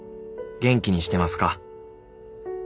元気にしてますか？